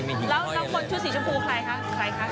แล้วเมื่อก่อนชุดสีชมพูใครคะ